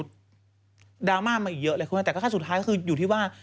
ดราม่ามาเยอะอะไรคือไหมแต่สุดท้ายคืออยู่ที่ว่า